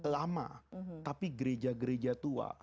lama tapi gereja gereja tua